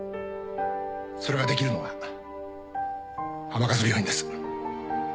それができるのが甘春病院です。